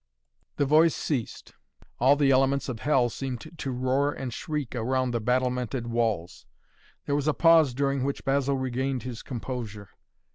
The voice ceased. All the elements of hell seemed to roar and shriek around the battlemented walls. There was a pause during which Basil regained his composure.